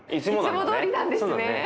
いつもどおりなんですね。